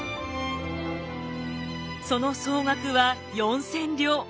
その総額は４，０００両。